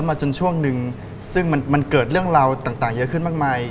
มาจนช่วงหนึ่งซึ่งมันเกิดเรื่องราวต่างเยอะขึ้นมากมาย